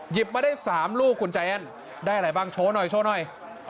หยิบมาได้๓ลูกคุณใจแอนได้อะไรบ้างโชว์หน่อย